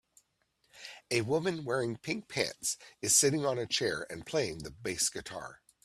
A woman wearing pink pants is sitting on a chair and playing the bass guitar